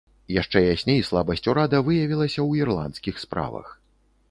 Яшчэ ясней слабасць урада выявілася ў ірландскіх справах.